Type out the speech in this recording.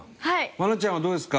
愛菜ちゃんはどうですか？